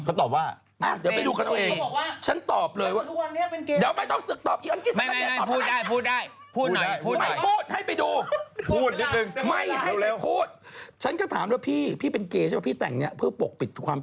เขาตอบว่า